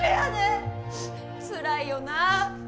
つらいよなあ。